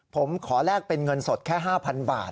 ผมขอแลกเป็นเงินสดแค่๕๐๐บาท